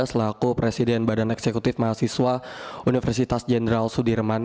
selaku presiden badan eksekutif mahasiswa universitas jenderal sudirman